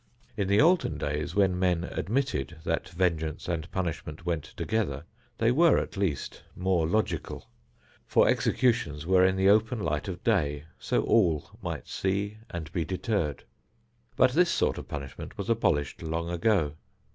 In the olden days when men admitted that vengeance and punishment went together, they were at least more logical, for executions were in the open light of day so all might see and be deterred. But this sort of punishment was abolished long ago.